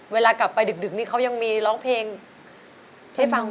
เวลากลับไปดึกนี่เขายังมีร้องเพลงให้ฟัง